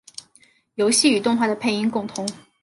游戏与动画的配音共通。